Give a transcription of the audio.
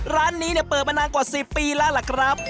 ร้านนี้เปิดมานานกว่า๑๐ปีแล้วล่ะครับ